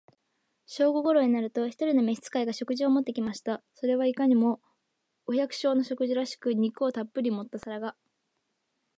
正午頃になると、一人の召使が、食事を持って来ました。それはいかにも、お百姓の食事らしく、肉をたっぶり盛った皿が、